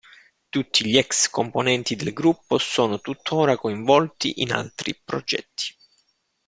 Tutti gli ex-componenti del gruppo sono tuttora coinvolti in altri progetti.